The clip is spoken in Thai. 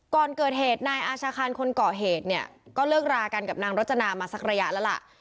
ก่อนเกิดเหตุนายอาชาคารคนก่อเหตุเนี่ยก็เลิกรากันกับนางรจนามาสักระยะแล้วล่ะ